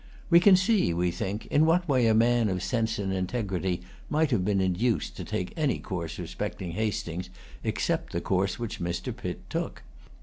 We can see, we think, in what way a man of sense and integrity might have been induced to take any course respecting Hastings except the course which Mr. Pitt took.